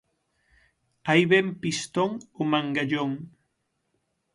Aí ven Pistón o Mangallón